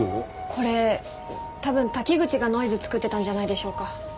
これ多分滝口がノイズ作ってたんじゃないでしょうか？